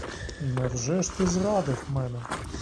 Невже ж ти зрадив мене?